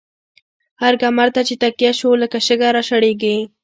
هر کمر ته چی تکيه شو، لکه شګه را شړيږی